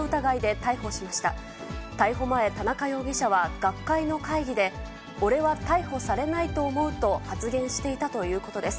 逮捕前、田中容疑者は学会の会議で、俺は逮捕されないと思うと発言していたということです。